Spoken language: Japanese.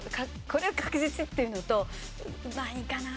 「これは確実」っていうのと「まあいいかな？